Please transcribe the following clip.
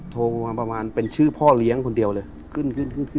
โทรมาประมาณเป็นชื่อพ่อเลี้ยงคนเดียวเลย